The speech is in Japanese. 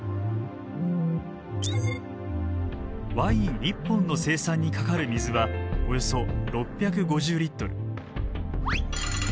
ワイン１本の生産にかかる水はおよそ６５０リットル。